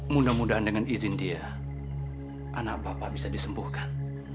mudah mudahan dengan izin dia anak bapak bisa disembuhkan